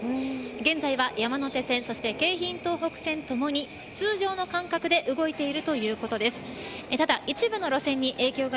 現在は、山手線そして、京浜東北線ともに通常の間隔で動いているということです。